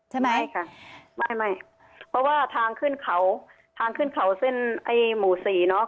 ใช่ไหมใช่ค่ะไม่ไม่เพราะว่าทางขึ้นเขาทางขึ้นเขาเส้นไอ้หมู่สี่เนอะ